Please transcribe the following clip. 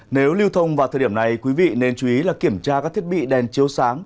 nếu lưu thông vào thời điểm này quý vị nên chú ý là kiểm tra các thiết bị đèn chiếu sáng